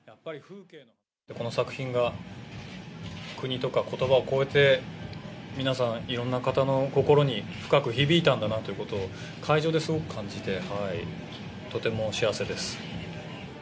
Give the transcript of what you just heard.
この作品が国とかことばを超えて、皆さん、いろんな方の心に深く響いたんだなということを、会場ですごく感じて、とても幸せです。